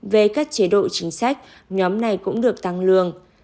về các chế độ chính sách nhóm này cũng được tăng lương